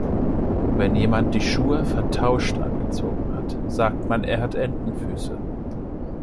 Wenn jemand die Schuhe vertauscht angezogen hat, sagt man, er hat Entenfüße.